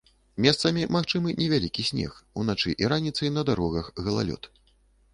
Месцамі магчымы невялікі снег, уначы і раніцай на дарогах галалёд.